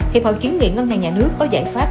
hiệp hội kiến nghị ngân hàng nhà nước có giải pháp